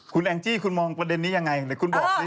คุณแองจี้คุณมองประเด็นนี้อย่างไรแต่คุณบอกนี้